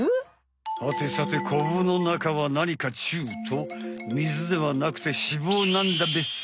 はてさてコブの中は何かちゅうと水ではなくて脂肪なんだべさ。